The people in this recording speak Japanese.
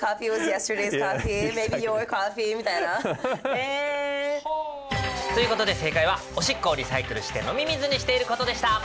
ね！ということで正解はおしっこをリサイクルして飲み水にしていることでした！